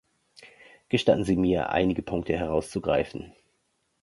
Gestatten Sie mir, einige Punkte herauszugreifen.